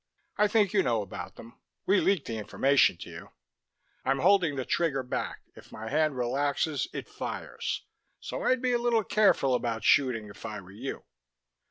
"I think you know about them. We leaked the information to you. I'm holding the trigger back; if my hand relaxes, it fires, so I'd be a little careful about shooting, if I were you."